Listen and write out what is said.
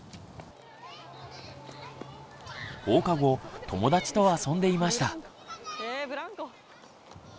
放課後友達と遊んでいました。